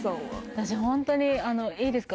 私ホントにいいですか？